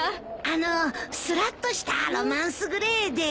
あのすらっとしたロマンスグレーで。